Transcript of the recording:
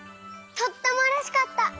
とってもうれしかった。